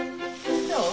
どう？